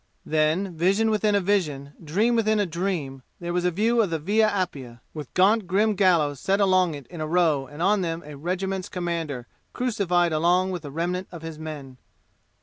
Then, vision within a vision dream within a dream there was a view of the Via Appia, with gaunt grim gallows set along it in a row and on them a regiment's commander crucified along with the remnant of his men.